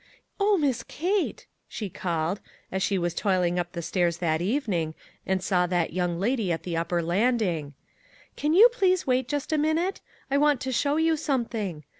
" Oh, Miss Kate," she called, as she was toiling up the stairs that evening, and saw that young lady at the upper landing, " can you please wait just a minute? I want to show you something.